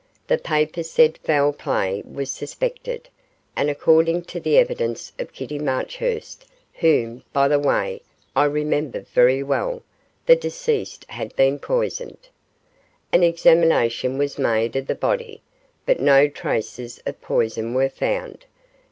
The papers said foul play was suspected, and according to the evidence of Kitty Marchurst, whom, by the way, I remember very well, the deceased had been poisoned. An examination was made of the body, but no traces of poison were found.